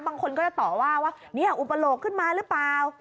บางคนก็จะต่อว่าว่าเนี่ยอุปโลกขึ้นมาหรือเปล่า